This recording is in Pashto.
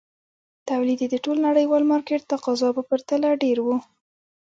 تولید یې د ټول نړیوال مارکېټ تقاضا په پرتله ډېر وو.